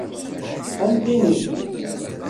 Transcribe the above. Ad am-t-inint.